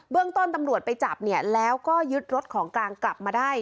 เรื่องต้นตำรวจไปจับเนี่ยแล้วก็ยึดรถของกลางกลับมาได้